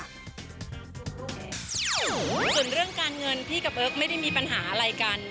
ส่วนเรื่องการเงินพี่กับเอิ๊กไม่ได้มีปัญหาอะไรกัน